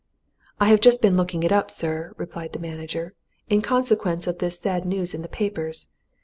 "I have just been looking it up, sir," replied the manager, "in consequence of this sad news in the papers.